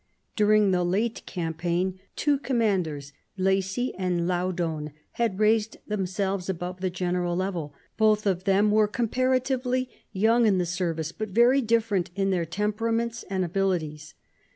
During the late campaign, two commanders, Jjacy and La udon, ha d raised themselves above the general level TBoth of them were comparatively young in the service, but very different in their temperaments and abilities.